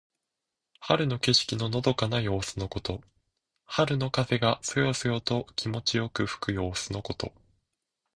春の景色ののどかな様子のこと。春の風がそよそよと気持ちよく吹く様子のこと。